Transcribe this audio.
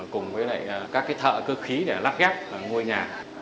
cùng với các thợ cơ khí để lắp ghép ngôi nhà